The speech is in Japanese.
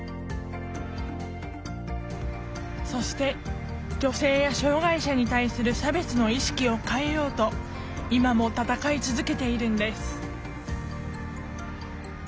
そして女性や障害者に対する差別の意識を変えようと今も戦い続けているんです